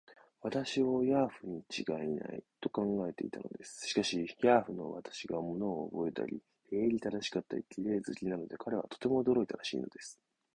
私をヤーフにちがいない、と考えていたのです。しかし、ヤーフの私が物をおぼえたり、礼儀正しかったり、綺麗好きなので、彼はとても驚いたらしいのです。